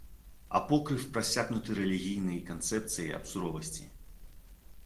Апокрыф прасякнуты рэлігійнай канцэпцыяй аб суровасці.